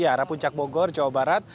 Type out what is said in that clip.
arah puncak bogor jawa barat